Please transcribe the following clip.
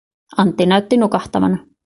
Antti näytti nukahtavan.